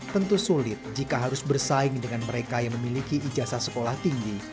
tentu sulit jika harus bersaing dengan mereka yang memiliki ijazah sekolah tinggi